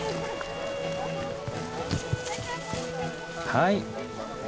はい。